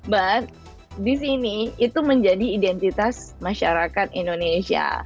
mbak di sini itu menjadi identitas masyarakat indonesia